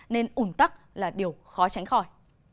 nên ủn tắc là điều khó tránh khỏi